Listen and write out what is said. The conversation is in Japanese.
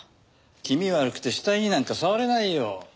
気味悪くて死体になんか触れないよ。